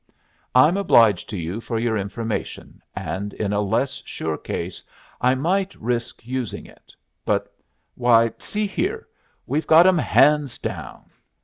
"I'm obliged to you for your information, and in a less sure case I might risk using it, but why, see here; we've got 'em hands down!"